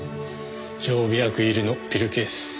常備薬入りのピルケース。